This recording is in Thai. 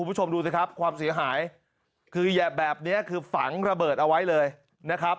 คุณผู้ชมดูสิครับความเสียหายคือแบบนี้คือฝังระเบิดเอาไว้เลยนะครับ